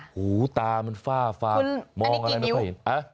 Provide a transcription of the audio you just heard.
หูตามันฟ้ามองอะไรมันไม่เห็น